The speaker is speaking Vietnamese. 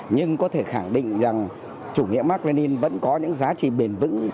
nhưng có thể khẳng định rằng chủ nghĩa mạc lên lên vẫn có những giá trị bền vững